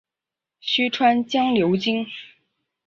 虚川江流经。